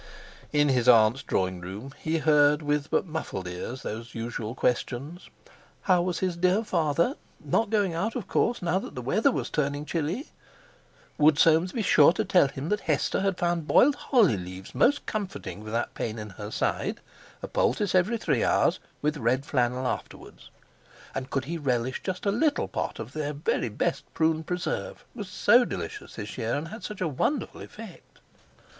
In his aunts' drawing room he heard with but muffled ears those usual questions: How was his dear father? Not going out, of course, now that the weather was turning chilly? Would Soames be sure to tell him that Hester had found boiled holly leaves most comforting for that pain in her side; a poultice every three hours, with red flannel afterwards. And could he relish just a little pot of their very best prune preserve—it was so delicious this year, and had such a wonderful effect.